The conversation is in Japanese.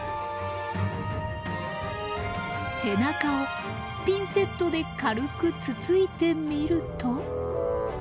背中をピンセットで軽くつついてみると。